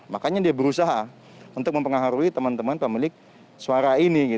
makanya dia berusaha untuk mempengaruhi teman teman pemilik suara ini